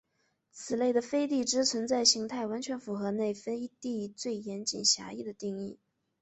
此类的飞地之存在型态完全符合内飞地最严谨狭义的定义。